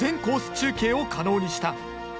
中継を可能にした。